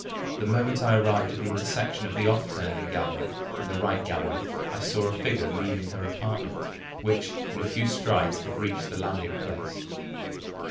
The moment I arrived at the intersection of the "off turning" gallery and the "right" gallery, I saw a figure leaving her apartment, which, in a few strides had reached the landing place.